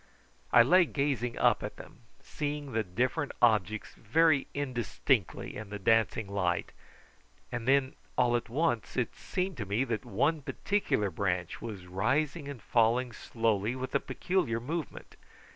I lay gazing up at them, seeing the different objects very indistinctly in the dancing light, and then all at once it seemed to me that one particular branch was rising and falling slowly with a peculiar movement.